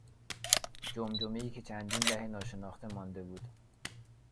جمجمهای که چندین دهه ناشناخته مانده بود.